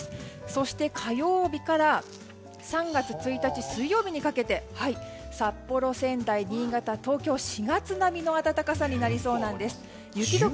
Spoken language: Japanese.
そして、火曜日から３月１日、水曜日にかけて札幌、仙台、新潟、東京４月並みの暖かさになりそうなんです。